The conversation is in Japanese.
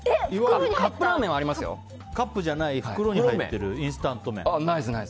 カップに入っていない袋に入っているインスタント麺。